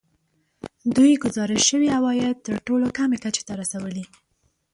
دوی ګزارش شوي عواید تر ټولو کمې کچې ته رسولي